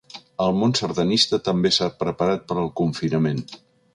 El món sardanista també s’ha preparat per al confinament.